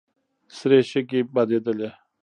سرې شګې بادېدلې.